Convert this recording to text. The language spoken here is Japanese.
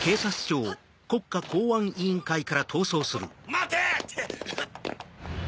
待て！